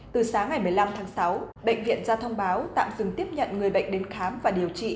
từ sáng ngày một mươi năm tháng sáu bệnh viện ra thông báo tạm dừng tiếp nhận người bệnh đến khám và điều trị